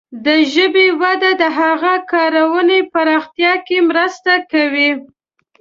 د ژبې وده د هغه کارونې پراختیا کې مرسته کوي.